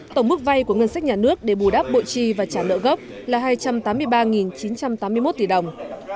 tổng mức vay của ngân sách nhà nước để bù đáp bộ chi và trả nợ gốc là hai trăm tám mươi ba chín trăm tám mươi một tỷ đồng